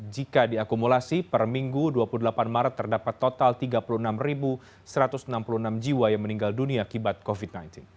jika diakumulasi per minggu dua puluh delapan maret terdapat total tiga puluh enam satu ratus enam puluh enam jiwa yang meninggal dunia akibat covid sembilan belas